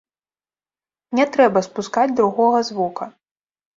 Не трэба спускаць другога з вока.